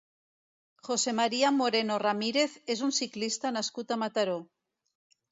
José María Moreno Ramírez és un ciclista nascut a Mataró.